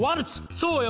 そうよ